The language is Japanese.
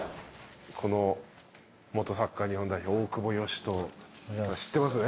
この元サッカー日本代表大久保嘉人知ってますね？